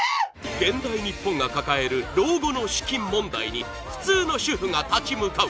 現代日本が抱える老後の資金問題に普通の主婦が立ち向かう